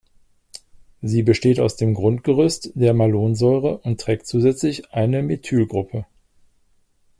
Sie besteht aus dem Grundgerüst der Malonsäure und trägt zusätzlich eine Methylgruppe.